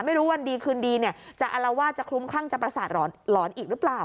ไม่รู้วันดีคืนดีจะอารวาสจะคลุ้มคั่งจะประสาทหลอนอีกหรือเปล่า